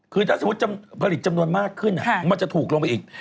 คือถ้าสมมุติผลิตจำนวนมากขึ้นมันจะถูกลงไปอีก